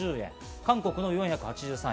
韓国の４８３円。